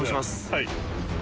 はい。